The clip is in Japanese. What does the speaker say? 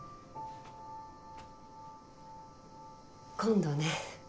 今度ね。